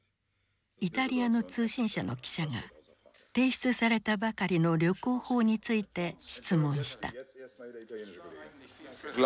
イタリアの通信社の記者が提出されたばかりの旅行法について質問した。